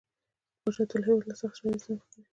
پاچا تل هيواد له سختو شرايطو سره مخ کوي .